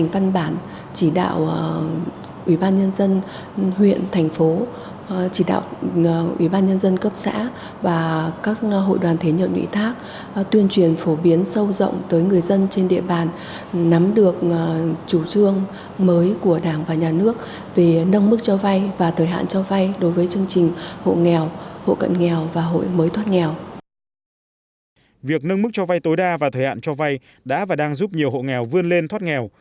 việc nâng mức cho vay tối đa và thời hạn cho vay đã và đang giúp nhiều hộ nghèo vươn lên thoát nghèo